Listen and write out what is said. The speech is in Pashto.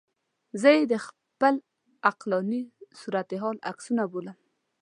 زه یې د خپل عقلاني صورتحال عکسونه بولم.